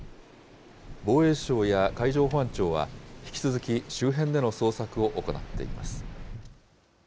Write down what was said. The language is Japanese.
防衛省や海上保安庁は引き続き、周辺での捜索を行っています。